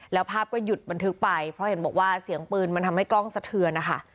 แล้วภาพก็หยุดบันทึกไปเพราะเห็นบอกว่าเสียงปืนมันทำให้กล้องสะเทือนนะคะ